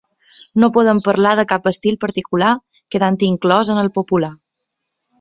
No podem parlar de cap estil particular quedant inclòs en el popular.